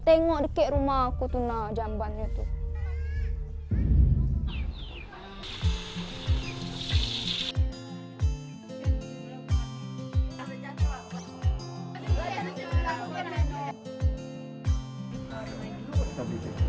tengok deket rumah aku tuh jambannya